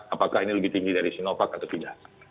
apakah ini lebih tinggi dari sinovac atau tidak